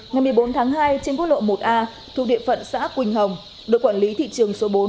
ngày một mươi bốn tháng hai trên quốc lộ một a thuộc địa phận xã quỳnh hồng đội quản lý thị trường số bốn